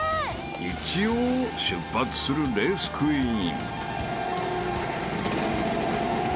［一応出発するレースクイーン］